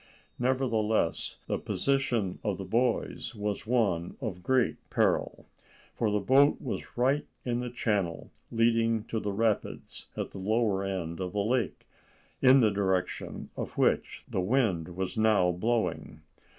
Nevertheless, the position of the boys was one of great peril, for the boat was right in the channel leading to the rapids at the lower end of the lake, in the direction of which the wind was now blowing.